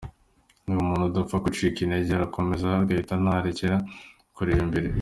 Ni umuntu udapfa gucika intege arakomeza akihata nta rekere kureba imbere.